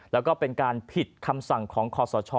แล้วก็เป็นการผิดคำสั่งของคอสช